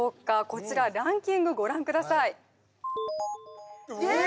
こちらランキングご覧くださいえー！